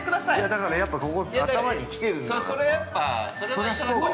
◆だからやっぱ、ここ、頭に来てるんだよ。